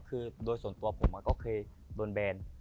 คือโดยส่วนตัวผมก็เคยโดนแบน